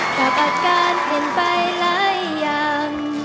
กะปัดกาลเห็นไปหลายอย่าง